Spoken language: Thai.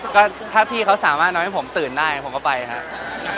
ก็ถ้าพี่เขาสามารถทำให้ผมตื่นได้ผมก็ไปครับ